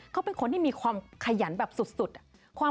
เคลียดไหม